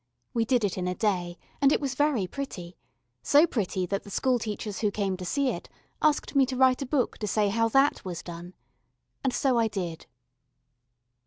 We did it in a day, and it was very pretty so pretty that the school teachers who came to see it asked me to write a book to say how that was done. And so I did.